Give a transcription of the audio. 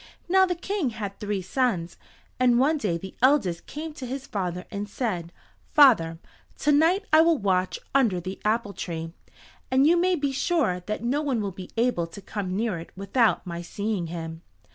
Now the King had three sons, and one day the eldest came to his father and said, "Father, to night I will watch under the apple tree, and you may be sure that no one will be able to come near it without my seeing him."